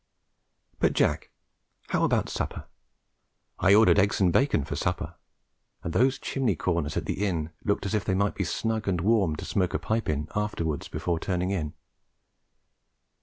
But, Jack, how about supper? I ordered eggs and bacon for supper, and those chimney corners at the inn looked as if they might be snug and warm to smoke a pipe in afterwards before turning in.